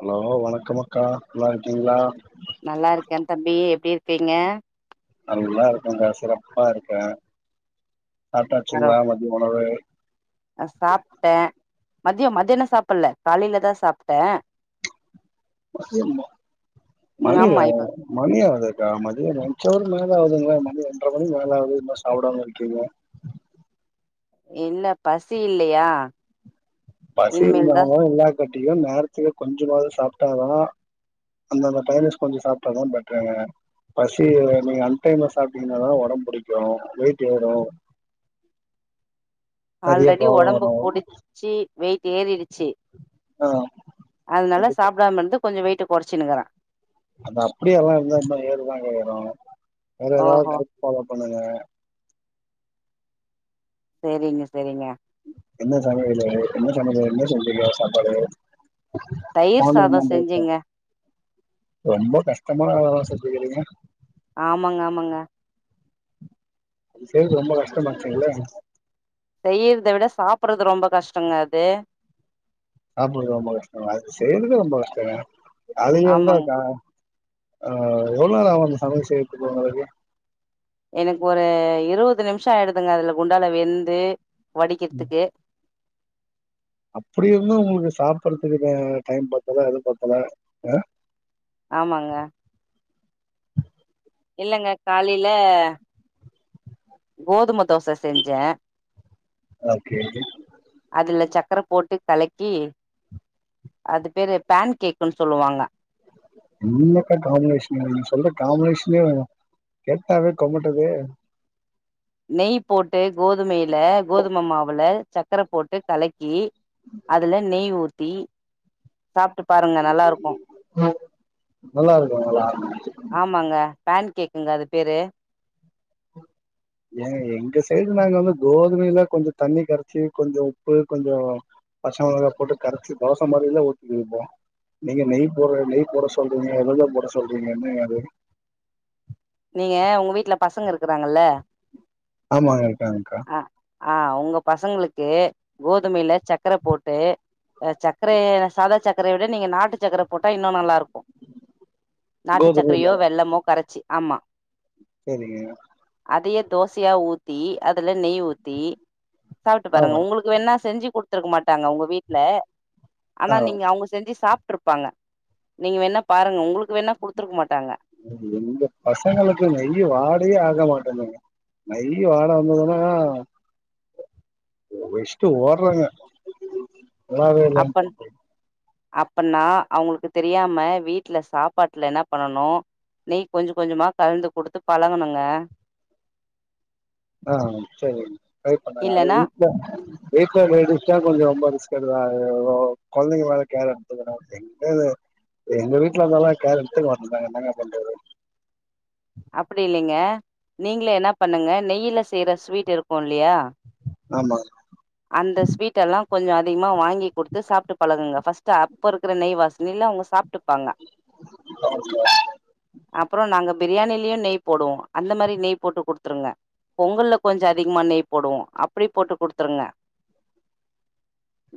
hello வணக்கம் அக்கா நல்லாம் இருக்கீங்களா நல்லா இருக்கேன் தம்பி எப்படி இருக்கீங்க நல்லா இருக்கேகா சிறப்பா இருக்கேன் பரோ சாப்டாச்சுங்களா மதிய உணவு அ சாப்பிட்டேன் மதியோ மதியான சாப்பில காலையில தா சாப்ட்டே மன ஆமா இப்ப மணி அதது மதியம் லஞ்சவரு ஒரு மேல ஆகுதுங்கள மணி ஒன்றரை மணி மேல ஆகுது இன்னும் சாப்பிடாமனு இருக்கீங்க இல்ல பசி இல்லையா பசி இனிமேல் இருந்தா தா என்ன இல்லாட்டி என் கட்டும் நேரத்துல கொஞ்சமாவது சாப்பிட்டாதான் அந்தந்த டைமிங்ஸ் கொஞ்சம் சாப்பிட்டாதான் பெட்டர் பசி நீங்க அன்டைம்ல சாப்பிட்டீங்கன்னாதான் உடம்பு பிடிக்கும் வெயிட் ஏரும் ஆல்ரெடி உடம்பு புடிச்சு வெயிட் ஏறிடுச்சு ஆ அதனால சாப்பிடாம இருந்து கொஞ்சம் வெயிட்டு குறைச்சுக்கிறான் அத அப்படியே எல்லாம் இருந்தா ஏறுதானு கேக்குறோம் வேற ஓஹோ ஏதாவது க பொண்ணுங்க செரிங்க செரிங்க என்ன சமையல் என்ன சமையல் என்ன செஞ்சீங்க சாப்பாடு தயிர் மார்னிங் சாதம் தான் ப்ரோ செஞ்சேங்க ரொம்ப கஷ்டமா வேலை செய்யிறீங்க ஆமாங்க ஆமாங்க செரி ரொம்ப கஷ்டமாச்சுங்களே செய்யறதை விட சாப்பறது ரொம்ப கஷ்டங்க அது சாப்புறது ரொம்ப கஷ்டம் அது செய்யறது ரொம்ப கஷ்டம் [unintelligible] ஆஹ் ஆமாங்க நேரம் ஆச்சு சமையல் செய்யுறதிற்கு உங்களுக்கு எனக்கு ஒரு இருபது நிமிஷம் ஆயிடுதுங்க அதுல குண்டால வெந்து வடிக்கிறதுக்கு அப்படி இருந்தும் உங்களுக்கு சாப்படுறதுக்குக்க டைம் பத்தல அது பத்தல ஆமாங்க [inaudible] இல்லங்க காலையில கோதும தோசை செஞ்சேன் ஓகே அதுல சக்க சக்கரை போட்டு கலக்கி அது பேரு பேன் கேக்குன்னு சொல்லுவாங்க என்னக்கா காம்பினேஷன் நீ சொல்ற காம்பினேஷனே கேட்டாவே கோமட்டதுதே நெய் போட்டு கோதுமையில கோதுமை மாவுல சர்க்கரை போட்டு கலக்கி அதுல நெய் ஊத்தி சாப்பிட்டு பாருங்க நல்லா இருக்கும் நல்லா இருக்கு ஆமாங்க பேன் கேக்குங்க அது பேரு ஏன் எங்க சைடு நாங்க வந்து கோதுமைையில கொஞ்சம் தண்ணி கரைச்சு கொஞ்சம் உப்பு கொஞ்சம் பச்சை மிளகா போட்டு கரைச்சு தோசை மாதிரி எல்லாம் ஊத்தி திம்போம் நீங்க நெய் போடுற நெய் போட சொல்றீங்க ஏதுஏதோ போட சொல்றீங்க என்னங்க அது நீங்க உங்க வீட்டு்ல பசங்க இருக்கறாங்கல்ல ஆமாங்க பிரங்க்கா ஆஹ் உங்க பசங்களுக்கு கோதுமையில சக்கரை போட்டு சக்கரைய சாதா சக்க சக்கரை விட நீங்க நாட்டு சக்கரைய போட்டா இன்னும் நல்லா இருக்கும் நாட்டு கோதுமைல சக்கரயோ வெள்ளமோ கரச்சி ஆமா செரிங்க அதைய தோசயா ஊத்தி அதுல நெய் ஊதி சாட்டு ஆ பாருங்க உங்களுக்கு வேணா செஞ்சி கத்ருக்க மாட்டாங்க உங்க வீட்ல ஆ ஆனா நீங்க அவங்கொ செஞ்ச சாப்ப இருப்பாங்க நீங்க வேணா பாருங் உங்களுக்கு வேணா கொடுத்துருக்க மாட்டாங்க எங்க பசங்களுக்கு நெய் வாடேயே ஆக மாட்டேங்குங்க நெய் வாட வந்ததுன்னா வெச்ட்டு ஓட்றாங்க என்ன வேலை அப்னா அவங்களுக்கு தெரியாம வீட்டுல சாப்பாட்டுல என்ன பண்ணனு நீ கொஞ்சு கொஞ்சமா கலந்து கொடுத்து பழங்கணுங்க ஆஹ செரி ட்ரை பண்ண இல்லன்னா வீட்டுல வீட்டு்ல லேடிஸ் தா கொஞ்ச ரொம்ப ரிஸ்க் எடுது குழந்தைங்க மேல கேர் எடுத்துக்க எங்க எங்க வீட்டுல இருந்தாலு கேர் எடுத்துக்க மாட்ரங்க என்னாங்க பண்றது அப்டில்லலைங்க நீங்க என்ன பண்ணுங்க நெயில செய்யற ஸ்வீட் இருக்குலியா ஆமா கொஞ்ச அதிகமாக வாங்கி கொடுத்து சாப்பிட்டு பழகுங்க பர்ஸ்ட் அப்ப இருக்கிற நெய் வாசின இலை அவங்க சாப்பட் ப்பங்க அப்புற நாங்க பிரியாணியிலயு நெய் போடுவோ அந்த மாரி நெய் போட்டு கொடுத்துருங்க பொங்கல கொஞ்ச அதிகமாக நெய் போடுவோம் அப்டி போட்டு கொடுதுருங்க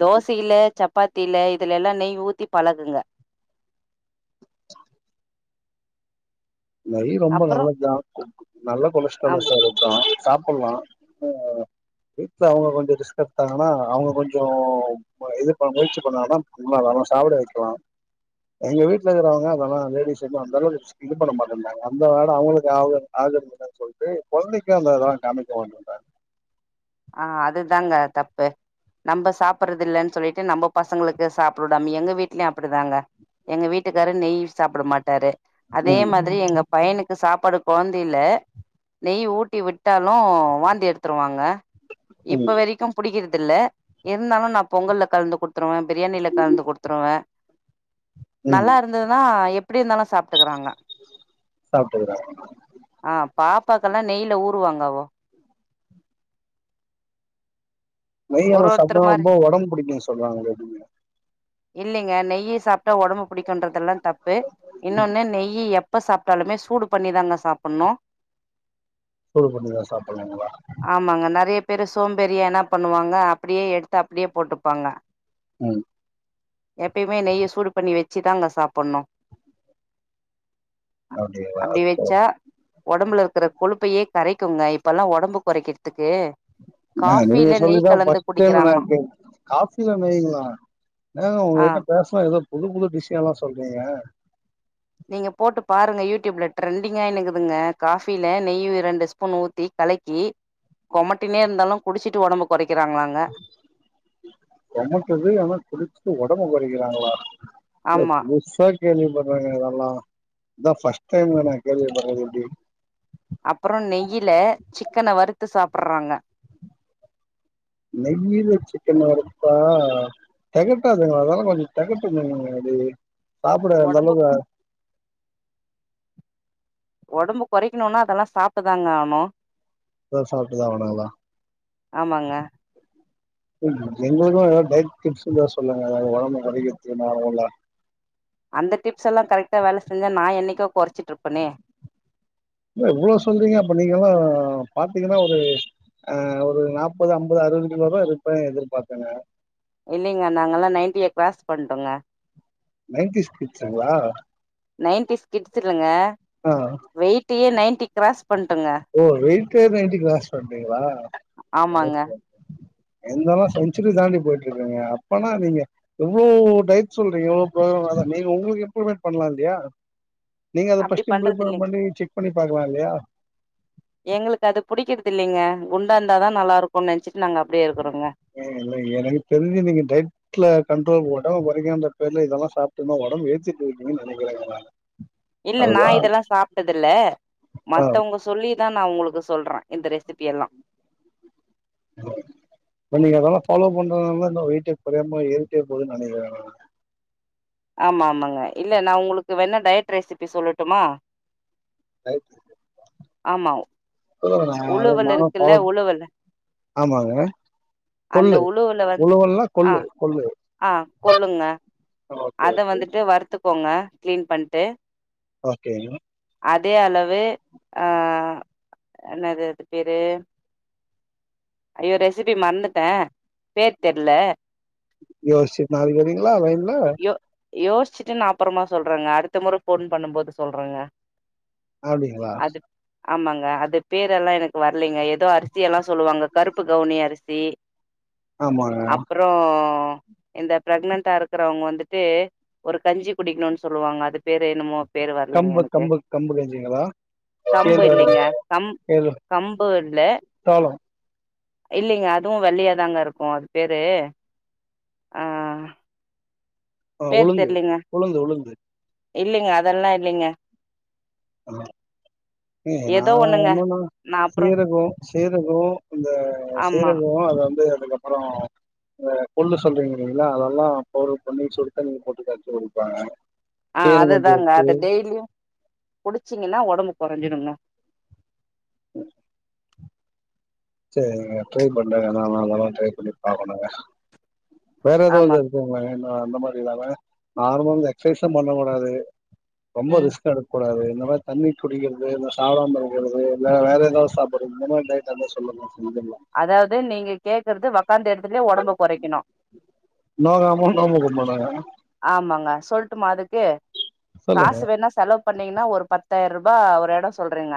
தோசையில சப்பாத்தில இதுலலாம் நெய் ஊத்தி பழகுங்க [inaudible] நெய் ரொம்ப அப்புறம் நல்தா நல்ல கொலஸ்சார் ஆம் அதுதா சாப்பிடலா வீட்டுல அவங்க கொஞ்சம் ரிஸ்க் எடுத்தாங்கன்னா அவங்க கொஞ்சம் இது முயற்சி பண்ணாங்க அத சாப்பிட வைக்கலா எங்க வீடல இருக்கிறவங்க அதெல்லா லேடிஸ் எதுவு அந்த அளவுக்கு இது பண்ண மாட்டங்க அந்த இடம் அவங்களுக்கு ஆகு ஆகுறதுன்னு சொல்லிட்டு பள்ளைக்கு அந்த இதான் காமைிக்க வேந்தாங்க ஆஹ் அதுதாங்க தப்பு நம்ம சாப்பிடடுறது இல்லன்னு சொல்லிட்டு நம்ம பசங்களுக்கு சாப்பிடடாம எங்க வீட்லயும் அப்படிதாங்க எங்க வீட்டுக்கார நெய் சாப்பிட மாட்டாரு அதே ம் மாதிரி எங்க பையனுக்கு சாப்பாடு குழந்தைல நெய் ஊட்டி விட்டாலு வாந்தி எடுத்துருவாங்க இப்ப ம் வரைக்கு பிடிக்கிறது இ இருந்தாலு நா பொங்கல கலந்து கொடுத்துருவே பிரியாணில கலந்து கொடுத்துருவேன் நல்லா இருந்ததுதா எ எப்ப இருதலு சா சாப்பிடுக்கறா ஆ பாப்பாக்கெல்லா நெய்ல ஊருவாங்காவ நெய் ஒரு நம்ம சாம் ஒருத்தர் மாரி ரொம்ப உடம்பு புடிக்கு சொல்றாங்களேட இல்லேங்க நெய்யை சாப்பிட்டா உடம்பு பிடிக்கன்ற எல்லா தப்பு இன்னொன்னு நெய் இப்ப சாப்பிட்டாலுமே சூடு பண்ணி தாங்க சாப்பிடணும் சூடு பண்ணிதான் சாப்பிடலங்களா பெரு சோம்பேரிய என்னா பண்ணுவாங்க அப்படியே எடுத்து அப்படியே போட்டுப்பாங்க உஹம் எப்பயுமே நெய்ய சூடு பண்ணி வச்சுதா அங்க சாப்பிடணும் அப்டிங்களா அப்படி வச்சா உடம்புல இருக்கிற கொழுப்பையே கரைக்குங்க இப்பெல்லாம் உடம்பு குறைக்கிறதுக்கு நீங்க சொல்லிதான் கலந்து பஸ்ட்டைம் குடிக்கிறாங்களா காபில நங்களாம் நாங்க ஆ உங்ககிட்ட பேசலாம் அத புது புழு விஷயம் எல்லாம் சொல்றீங்க நீங்க போட்டு பாருங்க யூடியூப்ல டரெண்டிங்காக்குதுங்க காஃபில நெய் ரெண்டு ஸ்பூன் ஊத்தி கலக்கி கொமட்டினே இருந்தாலும் குடிச்சிட்டு உடம்பு குறைக்க கொட்டுது ஆனா குடிச்ச உடம்பு வரை இருக்கிறாங்களா ஆமா புதுசா கேள்வி பறங்கல்லா இந்தான் ஃஸ்ட் டைம் கேள்வி பரறதுடி அப்புறம் நெயில சிக்கன வறுத்து சாப்பிடுறாங்க நெய்யில சிக்கன் வருப்பா தகட்டாதுங்க அதாலாம் கொஞ்சம் தகட்டுதுங்க அது சாப்புட ஒடம்பு நல்லதுதா ஒடம்பு கொறைக்கணும்னா அதல்லா சாப்ட்டுதாங்க ஆவுனு அத சாப்ட்டுதா வேணாங்களா ஆமங்க எங்களுக்கு ஏதாது டயட் டிப்ஸ் இருந்தா சொல்லுங்க ஒடம்பு கொறைக்கறதுக்கு என்னாவுள்ள அந்த டிப்ஸ் எல்லா கரெக்ட்டா வேல செஞ்சா நா என்னைக்கோ கொறைச்சிட்டுருப்பனே எவ்ளோ சொல்றீங்க அப்ப நீங்க எல்லா பாத்தீங்கன்னா ஒரு ஆ ஒரு நாற்பது அம்பது அறுபது கிலோ இருப்பே எதிர்பாத்தங்க இல்லங்க நாங்கல்லா நைன்ட்டிய க்ராஸ் பன்டோங்க நைன்டிஸ் கிட்ஸுங்களா நைன்டிஸ் கிட்ஸ் இல்லங்க ஆ வெயிட்டயே நைன் சிக்ராஸ் ஓ வெயிட்டே நைன்ட்டி க்ராஸ் பண்றீங்களா ஆமாங்க எந்தல்லா செஞ்சுரி தாண்டி போயிட்டு இருக்கீங்க அப்பனா நீங்க எவ்வளோ டைட் சொல்றீங்க எவ்ளோ நீங்க உங்களுக்கு இம்ப்ளிமெண்டட் பண்லா இல்லையா நீங்க அத அப்டி பஸ்ட் பண்றது இல்லைங்க இம்ப்ளிமெண்ட் பண்ணி செக் பண்ணி பாக்கலா இல்லயா எங்களுக்கு அது புடிக்கறதில்லங்க குண்டாந்தாதா நல்லா இருக்கும்னு நெனச்சு இல்ல எனக்கு தெரிஞ்சு நீங்க டயட்ல கண்ட்ரோல் ப உடம்ப வ வருக பேர்ல இதெல்லா சாப்ட்டுன்னா ஒடம்பு ஏற்றி பொய்ருக்கீன்னு நெனைக்கிறே இதல்லா இல்ல நா இதல்லா சாப்ட்டதில்ல ஆ மத்தவங்க சொல்லிதா நா உங்களுக்கு சொல்ற இந்த ரெசிபி எல்லா இ நீங்க அதல்லா ஃபாலோ பண்றதுனா வெயிட்டே கொறையமா ஏறிட்டே போதுன்னு நினைக்கற ஆமா ஆமாங்க இல்ல நா உங்களுக்கு வேணா டயட் ரெசிபி சொல்லட்டுமா ஆமா ல்ல உழுவல் நானு இருக்குல்ல ஃபாலோ உழுவல் ஆமாங்க அந்த கொள்ளு உழுவுல உழுவல்னா கொள்ளு கொள்ளு கொல்லுங்க ஓகே ஓகே அத வந்துட்டு வருத்துக்கோங்க க்ளீன் பண்ட்டு ஓகே அதே அளவு அ என்னது அது பேரு ஐயோ ரெசிபி மறந்துட்டே பேரு தெரில யோஸ்ச்சு நாளைக்கு வரீங்களா லைன்ல யோஸ்ச்சுட்டுன் அப்பறமா சொல்றங்க அடுத்த மொற ஃபோன் பண்ணும்போது சொல்றங்க அப்டிங்களா ஆமங்க அது பேரல்லா எனக்கு வர் இல்லைங்க ஏதோ அரிசி எல்லா சொல்லுவாங்க கருப்பு கவுனி அரிசி ஆமாங்க அப்றோ இந்த பிரெக்னன்டா இருக்கிறவங்க வந்துட்டு ஒரு கஞ்சி குடிக்கணும்னு சொல்லுவாங்க அது பேர் என்ணுமோ பேர் வரலைங்க கம்பு எனக்கு கம்பு கம்பு கஞ்சிங்களா கம்பு கேழ்வரகு இல்லைங்க க கேழ் கம்பு இல் சோளம் இல்லைங்க அதுவும் வெள்ளியாதாங்க இருக்கும் அது பேரு ஆஹ் ஆஹ் உளுந்து உளுந்து உளுந்து இல்லைங்க அதெல்லாம் இல்லைங்க நான் ஏதோ ஒண்ணுங்க என்னன்னா நா அப்புறோ சீரக்கும் சேரது இந்த ஆமா சீரகம் அதை வந்து அதுக்கப்புறம் பொல்லு சொல்றீங்க இல்லீங்களா அதெல்லாம் பொரு பொண்ணி சுத்தா நீங்க போட்டு காச்சு கொடுப்பாங்க ஆஹ் அதுதாங்க அதது டெய்லியும்டிச்ச குடிச்சீங்கன்னா உடம்பு குறைஞ்சடுங்க உம் சேரி ரை பண்ட நானல்லாமா பண்ணி பாக்குறேங்க வேற ஏதாவ ஆமா இருக்குங்கள என்ன அந்த மாதிரி இல்லாம நார்மல் எக்சசைஸ்சும் பண்ண கூடாது ரொம்பா ம் ரிஸ்க அட கூடாது இந்த மாிரி தண்ணி குடிக்கிறது இந்த சாட பகிறது வேற ஏதாவது சாப்பிடுறது இந்த மாிரி சொல்லு அதாவது நீங்க கேக்குறது அந்த இடத்துலயே உடம்ப குறைக்கணும் நோகாம நோம்பு கும்பிடுங்க ஆமாங்க சொல்லட்டுமா அதுக்கு சொல்லுங்க காசு வேணா செலவு பண்ணீங்கன்னா ஒரு பத்தாயிரம் ரூபாய அப்பா ஒரு இடம் சொல்றங்க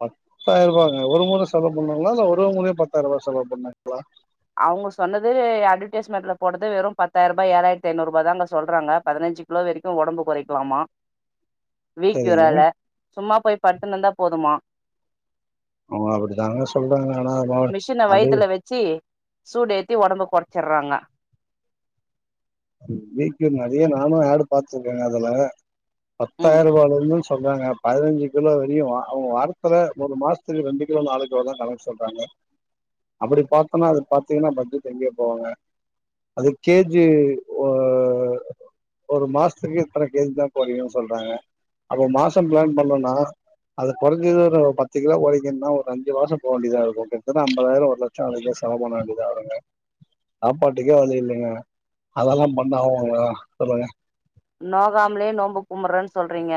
பத்தாயிரம் ரூபாங்க ஒரு முறை செலவு பண்ணாங்களா இல்ல ஒரு முறையும் பத்தாயிரம் ரூபாய் செலவு பண்ணாங்களா அவங்க சொன்னது அட்வர்டைஸ்மெண்ட்ல போட்டது வெறும் பத்தாயிரம் ரூபாய் ஏழாயிரத்த ஐநூறு ரூபாய் தான் அங்க சொல்றாங்க பதினஞ்சு கிலோ வரைக்கும் உடம்பு குறைக்கலாமா சரிங்க வீக்கறல சும்மா போய் படூத்துனந்தா போதுமா அவுங்க அப்படிதானங்க சொல்றாங்க ஆனா மிஷின அது வயிறத்துல வச்சு சூடேத்தி உடம்பு குறைச்சிடறாங்க வீக்யூர் நிறைய நானும் ஆடு பாாரத்துருக்கேன் அதுல ம் பத்தாயிரூபால சொல்றாங்க பதினஞ்சு கிலோ வரையு அவங்க வாரத்துல ஒரு மாசத்துக்கு ரெண்டு கிலோ நாலு கிலோதா கணக்கு சொல்றாங்க அப்டி பாத்தனா அது பாத்தீங்கன்னா பட்ஜெட் எங்கயே போவாங்க அது கேஜி ஒரு மாசத்துக்கு இத்தன கேஜிதா கொறையு சொல்றாங்க அப்போ மாசம் பிளான் பண்ணோம்னா அது கொறஞ்சது ஒரு பத்து கிலோ கொறங்கன்னா ஒரு அஞ்சு மாசம் போ வேண்டியதா இருக்கு கிட்டத்தட்ட ஐம்பதாயிரோ ஒரு லட்சோ அதுக்கே செலவு பண்ண வேண்டியதா வருங்க சாப்பாட்டுக்கே வலி இல்லைங்க அதெல்லா பண்ணு அவ சொல்லுங்க நோகாமலேயே நோன்ம்பு கும்பறன் சொல்றீங்க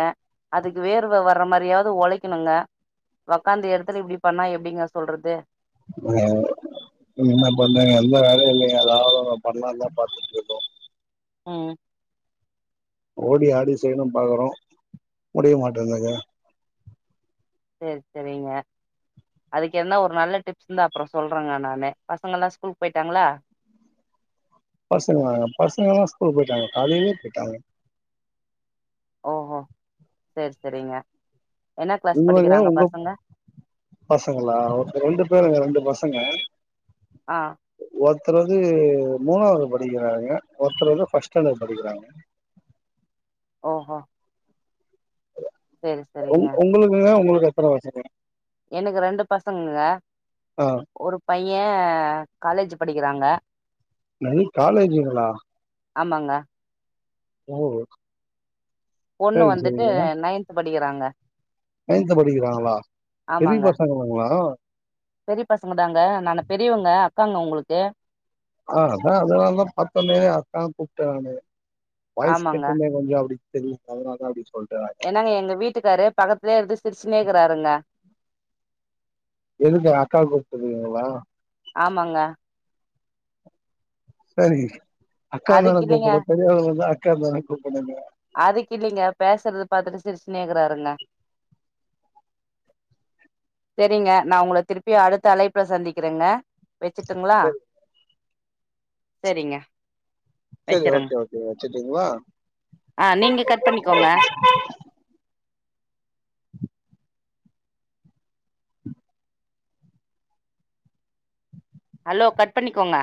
அதுக்கு வேர்வ வர்ற மாரியாவது ஒழைக்கணுங்க உக்காந்த எடத்துல இப்டி பண்ணா எப்டிங்க சொல்றது அ நீங்க என்ன பண்றீங்க எந்த வேலையு இல்லைங்க ஏதாவது பண்லான்தா பாத்துட்ருக்கோ ம் ஓடி ஆடி செய்யணும் பாக்குறோ முடிய மாட்டேங்குது சேரி சேரிங்க அதுக்கு என்ன ஒரு நல்ல டிப்ஸ் இருந்தா அப்றோ சொல்றங்க நானு பசங்கல்லா ஸ்கூல்கு போயிட்டாங்களா பசங்கங்க பசங்கல்லா ஸ்கூல் போயிட்டாங்க காலையிலயே போயிட்டாங்க ஓஹோ சேரி சேரிங்க என்ன கிளாஸ் இங்க படிக்கிறாங்க உங்க பசங்க பசங்களா ரெண்டு பேருங்க ரெண்டு பஸ் பசங்க ஆ ஒருத்தர் வந்து மூணாவது படிக்கிறாங்க ஒருத்தர் வந்து ஃபர்ஸ்ட் ஸ்டேண்டர்ட் படிக்கிறாங்க ஓஹோ சேரி உங் சேரிங்க உங்களுக்குங்க உங்களுக் எத்தன பசங்க எனக்கு ரெண்டு பசங்கங்க ஆ ஒரு பைய காலேஜ் படிக்கிறாங்க என்னது காலேஜுங்களா ஆமாங்க ஓ ஒண்ணு சரிங்க வந்துட்டு சரிங்க நைன்த் படிக் படிக்கிறாங்க நைன்த் படிக்கிறாங்களா பெரிய ஆமாங்க பசங்களாங்களா பெரிய பசங்க தாங்க நானு பெரியவங்க அக்காங்க உங்களுக்கு ஆ அதா அதனாலதா பாத்தோனே அக்கான் கூப்பட்டே நானு வாய்ஸ் ஆமாங்க கேட்டொனே கொஞ்சோ அப்புடி சேரி அதனாலதா அப்டின் சொல் என்னாங்க எங்க வீட்டுக்காரு பக்கத்துலயே இருந்து சிருச்சுனே இருக்குறாருங்க எதுக்கு எங்க அக்காள கூப்புடுக்கங்க எனக்கு வேண்ணா ஆமாங்க சேரி அக்காந்தா அதுக்கு இல்லைங்க [unintelligible] அக்கான்தானே கூப்ட முடியு அதுக்கு இல்லைங்க பேசுறது பாத்துட்டு சிருச்சுன்னே இருக்காருங்க சேரிங்க நா உங்கள திருப்பி அடுத்த அலைப்புல சந்திக்கிறங்க வெச்சுட்டுங்ளா சரி சேரிங்க சேரி ஓகே ஓகே வச்சுட்டீங்ளா ஆ நீங்க கட் பண்ணிக்கோங்க [inaudible] அலோ கட் பண்ணிக்கோங்க